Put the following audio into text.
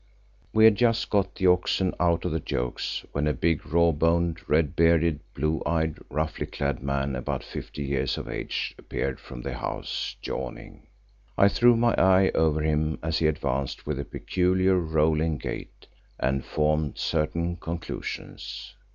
We had just got the oxen out of the yokes, when a big, raw boned, red bearded, blue eyed, roughly clad man of about fifty years of age appeared from the house, yawning. I threw my eye over him as he advanced with a peculiar rolling gait, and formed certain conclusions.